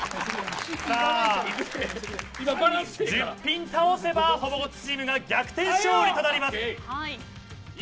１０ピンを倒せばほぼごっつチームが逆転勝利となります。